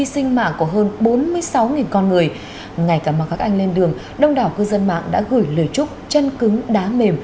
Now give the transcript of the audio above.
xin chào và hẹn gặp lại